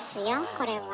これは。